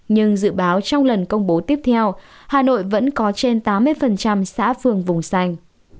nhưng dự báo trong lần công bố tiếp theo hà nội vẫn có trên tám mươi xã phường vùng xanh